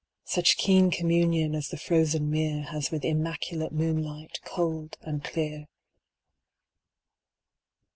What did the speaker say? Such keen communion as the frozen mere Has with immaculate moonlight, cold and clear.